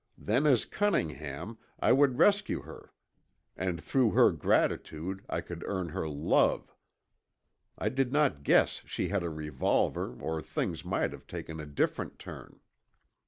Then as Cunningham I would rescue her and through her gratitude I could earn her love. I did not guess she had a revolver or things might have taken a different turn.